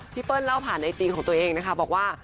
เปิ้ลเล่าผ่านไอจีของตัวเองนะคะบอกว่า